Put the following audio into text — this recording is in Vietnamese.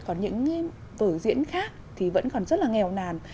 còn những vở diễn khác thì vẫn còn rất là nghèo nàn